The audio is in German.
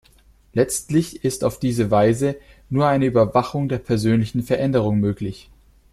Letztlich ist auf diese Weise nur eine Überwachung der persönlichen Veränderung möglich.